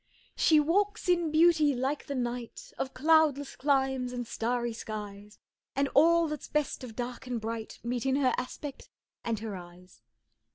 14 She walks in beauty like the night of cloudless climes and starry skies ; and all that's best of dark and bright meet in her aspect and her eyes.